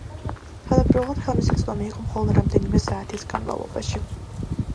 თავდაპირველად ხელმისაწვდომი იყო მხოლოდ რამდენიმე საათის განმავლობაში.